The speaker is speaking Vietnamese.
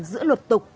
giữa luật tục